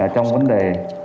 trong vấn đề